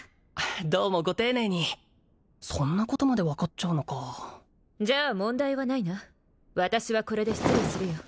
どうもご丁寧にそんなことまで分かっちゃうのかじゃあ問題はないな私はこれで失礼するよ